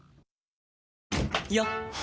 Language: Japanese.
よっ！